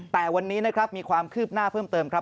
แต่วันนี้นะครับมีความคืบหน้าเพิ่มเติมครับ